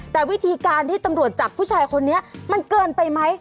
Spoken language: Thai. แต่วิธีการที่ตำรวจจับผู้ชายคนนี้มันเกินไปไหม